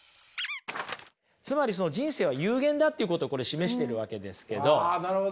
つまり人生は有限だっていうことをこれ示しているわけですけど。